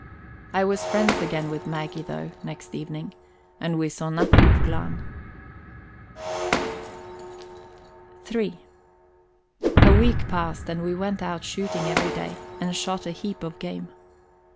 I was friends again with Maggie, though, next evening, and we saw nothing of Glahn. III A week passed, and we went out shooting every day, and shot a heap of game.